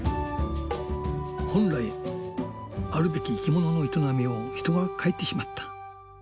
本来あるべき生きものの営みを人が変えてしまった。